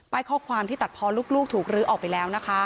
ข้อความที่ตัดพอลูกถูกลื้อออกไปแล้วนะคะ